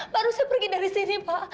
baru saya pergi dari sini pak